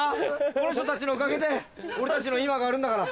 この人たちのおかげで俺たちの今があるんだから。